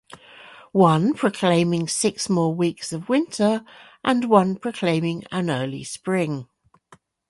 One proclaiming six more weeks of winter and one proclaiming an early spring.